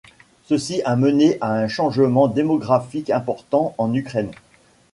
Ceci a mené à un changement démographique important en Ukraine.